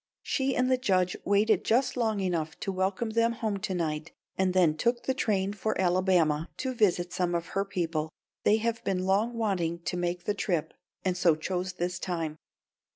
She and the Judge waited just long enough to welcome them home to night, and then took the train for Alabama to visit some of her people. They have long been wanting to make the trip, and so chose this time.